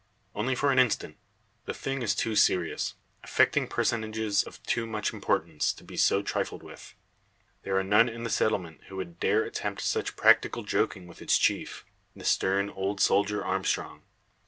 Only for an instant. The thing is too serious, affecting personages of too much importance, to be so trifled with. There are none in the settlement who would dare attempt such practical joking with its chief the stern old soldier, Armstrong.